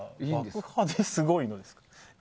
爆破ですごいのですか。